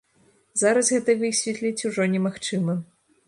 Зараз гэта высветліць ужо немагчыма.